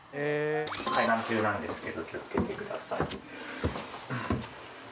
階段急なんですけど気をつけてください。